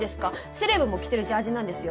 セレブも着てるジャージーなんですよ。